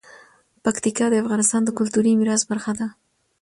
پکتیکا د افغانستان د کلتوري میراث برخه ده.